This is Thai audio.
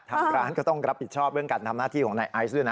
ทางร้านก็ต้องรับผิดชอบเรื่องการทำหน้าที่ของนายไอซ์ด้วยนะ